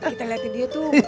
kita liatin dia tuh